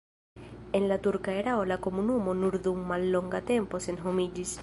En la turka erao la komunumo nur dum mallonga tempo senhomiĝis.